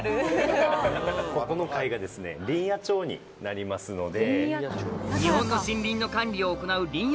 ここの階がですね。になりますので。